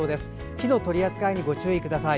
火の取り扱いにご注意ください。